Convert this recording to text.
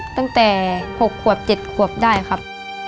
ตั้งแต่๖ขวบ๗ขวบได้ครับ